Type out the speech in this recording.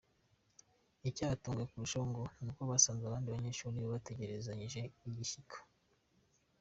Icyabatunguye kurushaho ngo ni uko basanze abandi banyeshuri babategerezanyije igishyika.